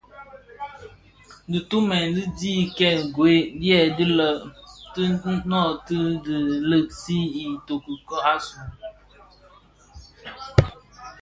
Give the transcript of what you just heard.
Dhitumèn di dhi kèn gwed dyèdin lō, ti nooti dhi lèèsi itoki asu.